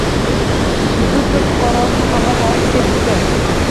Jibuti fuqarosini qamoqqa olib ketishdi.